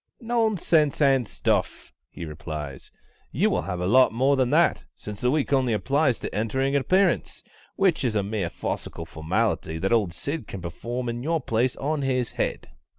"Nonsense and stuff!" he replies, "you will have a lot more than that, since the week only applies to entering an appearance which is a mere farcical formality that old SID can perform in your place on his head."